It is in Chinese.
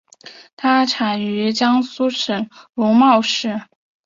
它产于江苏省如皋市。